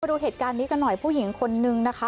ดูเหตุการณ์นี้กันหน่อยผู้หญิงคนนึงนะคะ